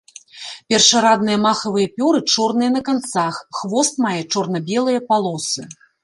Першарадныя махавыя пёры чорныя на канцах, хвост мае чорна-белыя палосы.